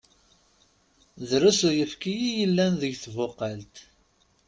Drusn uyefki i yellan deg tbuqalt.